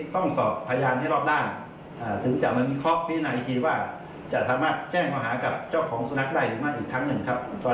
ตอนนี้ได้สอบพยายามไปแล้ว๔ฝาก